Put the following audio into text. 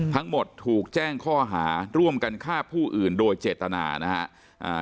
ทั้งหมดถูกแจ้งข้อหาร่วมกันฆ่าผู้อื่นโดยเจตนานะฮะ